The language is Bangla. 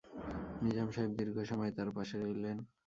নিজাম সাহেব দীর্ঘ সময় তার পাশে রইলেন।